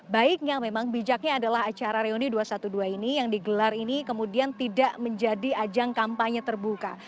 baiknya memang bijaknya adalah acara reuni dua ratus dua belas ini yang digelar ini kemudian tidak menjadi ajang kampanye terbuka